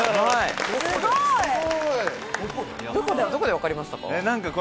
どこで分かりましたか？